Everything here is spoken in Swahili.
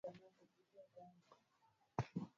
viazi lishe zao ambalo majani yake huliwa